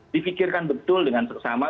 difikirkan betul dengan bersama